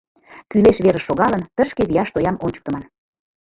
Кӱлеш верыш шогалын, тышке вияш тоям ончыктыман.